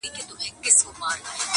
قاسم یاره چي سپېڅلی مي وجدان سي,